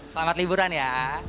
selamat liburan ya